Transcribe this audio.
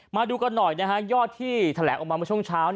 มาดูกันหน่อยยอดที่แถลงออกมาช่วงเช้า